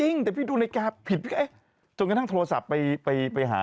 นี่พี่หนูก็ขับรถมาเองครับ